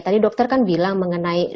tadi dokter kan bilang mengenai